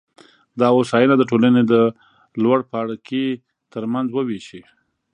دا هوساینه د ټولنې د لوړپاړکي ترمنځ ووېشي.